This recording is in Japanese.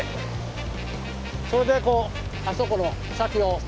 それでこうあそこの先の。